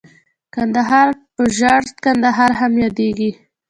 کندهار په ژړ کندهار هم ياديږي.